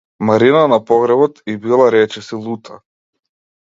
Марина на погребот ѝ била речиси лута.